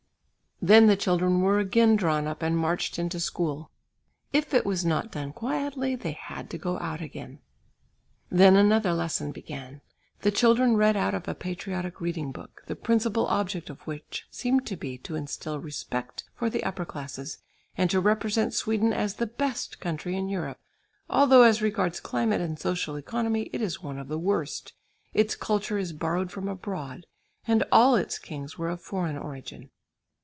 Then the children were again drawn up and marched into school. If it was not done quietly, they had to go out again. Then another lesson began. The children read out of a patriotic reading book the principal object of which seemed to be to instil respect for the upper classes and to represent Sweden as the best country in Europe, although as regards climate and social economy, it is one of the worst, its culture is borrowed from abroad, and all its kings were of foreign origin.